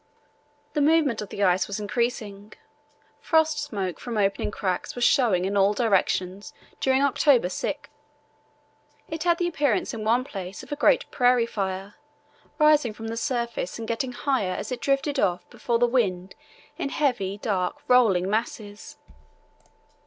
The movement of the ice was increasing. Frost smoke from opening cracks was showing in all directions during October 6. It had the appearance in one place of a great prairie fire, rising from the surface and getting higher as it drifted off before the wind in heavy, dark, rolling masses.